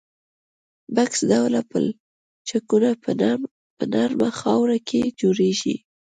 بکس ډوله پلچکونه په نرمه خاوره کې جوړیږي